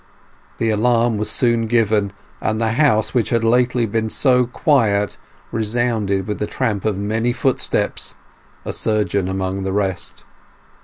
The alarm was soon given, and the house which had lately been so quiet resounded with the tramp of many footsteps, a surgeon among the rest.